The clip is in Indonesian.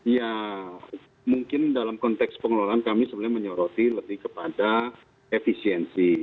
ya mungkin dalam konteks pengelolaan kami sebenarnya menyoroti lebih kepada efisiensi